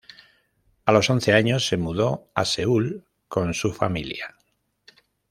A los once años se mudó a Seúl con su familia.